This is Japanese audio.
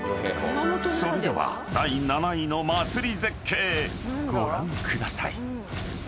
［それでは第７位の祭り絶景ご覧ください］